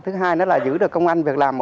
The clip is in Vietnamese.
thứ hai là giữ công an việc làm